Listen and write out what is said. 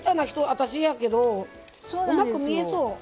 私やけどうまく見えそう。